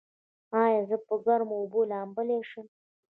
ایا زه په ګرمو اوبو لامبلی شم؟